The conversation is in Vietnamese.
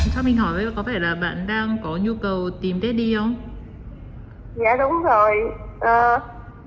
chắc mình hỏi với cô có vẻ là bạn đang có nhu cầu tìm daddy không